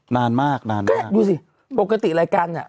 นานมากดูสิปกติรายการอ่ะ